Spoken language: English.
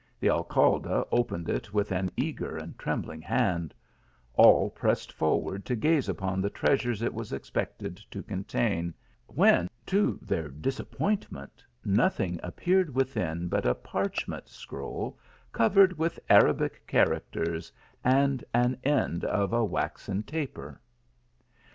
The Alcalde opened it with an eager and trembling hand ; all pressed forward to gaze upon the treasures it was expected to contain ; when, to their disappointment, nothing appeared within but a parchment scroll, covered with Arabic characters, and an end of a waxen taper